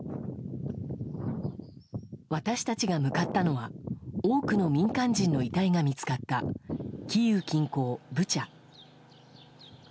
私たちが向かったのは多くの民間人の遺体が見つかったキーウ近郊ブチャ。